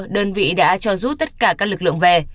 đơn vị đã cho rút tất cả các lực lượng về